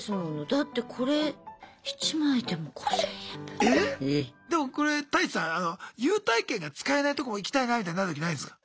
だってこれでもこれタイチさん優待券が使えないとこも行きたいなみたいになるときないですか？